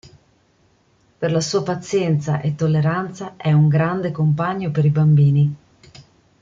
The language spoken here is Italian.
Per la sua pazienza e tolleranza, è un grande compagno per i bambini.